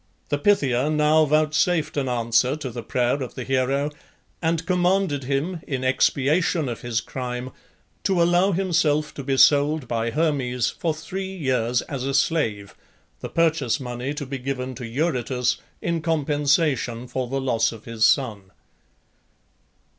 The Pythia now vouchsafed an answer to the prayer of the hero, and commanded him, in expiation of his crime, to allow himself to be sold by Hermes for three years as a slave, the purchase money to be given to Eurytus in compensation for the loss of his son.